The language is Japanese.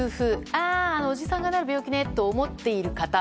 ああ、おじさんがなる病気ねと思っている方